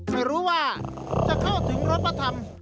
ไม่รู้ว่าจะเข้าถึงรถพระธรรม